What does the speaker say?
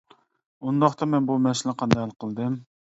ئۇنداقتا مەن بۇ مەسىلىنى قانداق ھەل قىلدىم.